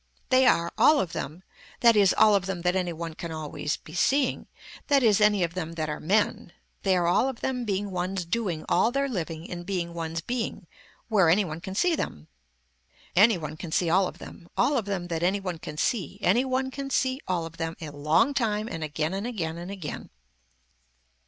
They are, all of them, that is all of them that any one can always be seeing, that is any of them that are men, they are all of them being ones doing all their living in being ones being where any one can see them. Any one can see all of them, all of them that any one can see, any one can see all of them a long time and again and again and again.